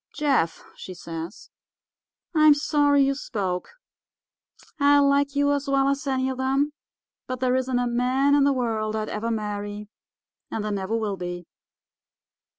"'Jeff,' she says, 'I'm sorry you spoke. I like you as well as any of them, but there isn't a man in the world I'd ever marry, and there never will be.